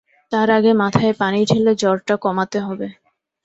তার আগে মাথায় পানি ঢেলে জ্বরটা কমাতে হবে।